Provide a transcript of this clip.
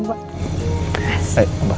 sudah saya bersihkan juga pak